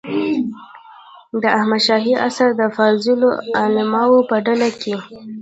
د احمد شاهي عصر د فاضلو علماوو په ډله کې.